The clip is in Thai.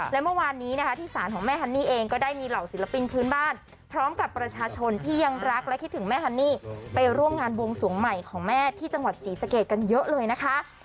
และเมื่อวานนี้นะคะที่ศาลของแม่ฮันนี่เองก็ได้มีเหล่าศิลปินพื้นบ้านพร้อมกับประชาชนที่ยังรักและคิดถึงแม่ฮันนี่ไปร่วมงานบวงสวงใหม่ของแม่ที่จังหวัดศรีสะเกดกันเยอะเลยนะคะ